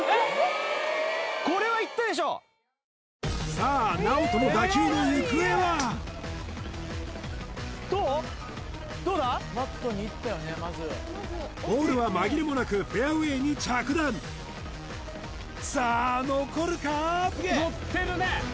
さあＮＡＯＴＯの打球の行方はボールは紛れもなくフェアウェイに着弾さあ残るか？